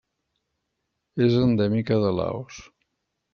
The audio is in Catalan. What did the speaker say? És endèmica de Laos.